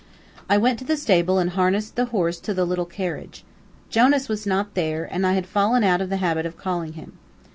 I went to the stable and harnessed the horse to the little carriage. Jonas was not there, and I had fallen out of the habit of calling him.